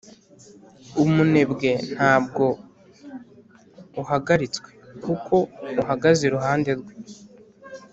umunebwe, ntabwo uhagaritswe; kuko, uhagaze iruhande rwe,